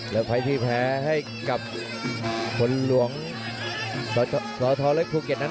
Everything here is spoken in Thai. แล้วไฟล์ที่แพ้ให้กับคนหลวงสทเล็กภูเก็ตนั้น